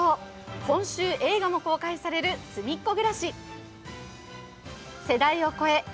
今週、映画も公開されるすみっコ